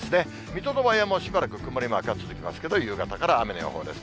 水戸ともしばらく曇りマークが続きますけど、夕方から雨マークです。